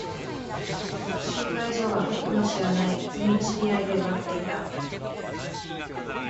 集会所は僕の知らない君の知り合いで埋まっていた。